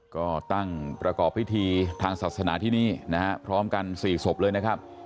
ก็ตั้งประกอบพิธีทางศาสนาที่นี่นะฮะพร้อมกัน๔ศพเลยนะครับ